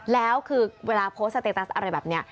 แล้วคือเวลาโพสต์สเตตัสอะไรแบบนี้